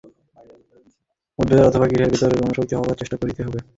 উদ্ভিদে অথবা কীটের ভিতর ঐ জীবনীশক্তিকে ব্যষ্টিগত ধারণার স্তরে উন্নীত হইবার চেষ্টা করিতে হইবে।